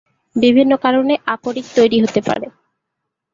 বিভিন্ন কারণে আকরিক তৈরি হতে পারে।